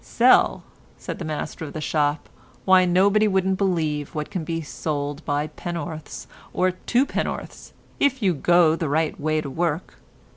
"Sell," said the master of the shop, "Why nobody wouldn't believe what can be sold by penn'orths and twopenn'orths if you go the right way to work.